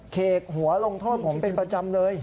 เขกหัวลงโทษผมเป็นประจำเลย